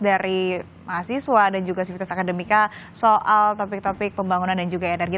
dari mahasiswa dan juga sivitas akademika soal topik topik pembangunan dan juga energi